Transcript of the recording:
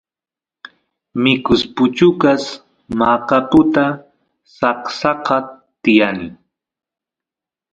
mikus puchukas maqaputa saksaqa tiyani